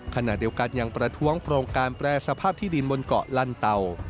ขณะเดียวกันยังประท้วงโครงการแปรสภาพที่ดินบนเกาะลันเต่า